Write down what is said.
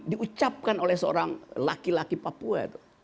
diucapkan oleh seorang laki laki papua